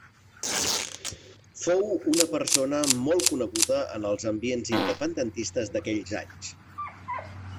Fou una persona molt coneguda en els ambients independentistes d'aquells anys.